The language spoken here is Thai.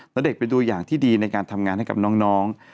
ณเดชน์เป็นดูอย่างที่ดีในการทำงานให้กับน้อง